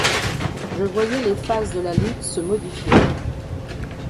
Je voyais les phases de la lutte se modifier.